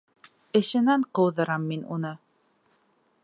Эшенән ҡыуҙырам мин уны!